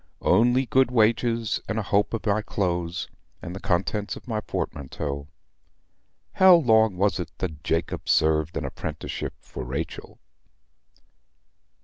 Only good wages, and a hope of my clothes, and the contents of my portmanteau. How long was it that Jacob served an apprenticeship for Rachel?"